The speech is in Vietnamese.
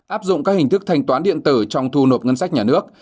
áp dụng các hình thức thanh toán điện tử trong thu nộp ngân sách nhà nước